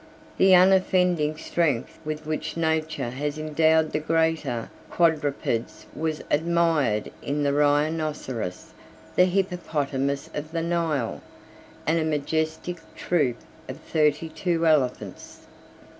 The unoffending strength with which Nature has endowed the greater quadrupeds was admired in the rhinoceros, the hippopotamus of the Nile, 88 and a majestic troop of thirty two elephants.